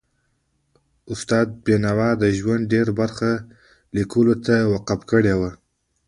استاد بینوا د ژوند ډېره برخه لیکلو ته وقف کړي وه.